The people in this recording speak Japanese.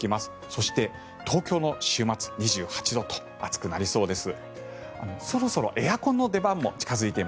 そして、東京の週末２８度と暑くなりそうです。